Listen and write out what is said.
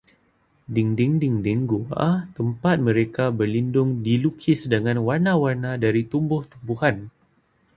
Dinding-dinding gua tempat mereka berlindung dilukis dengan warna-warna dari tumbuh-tumbuhan.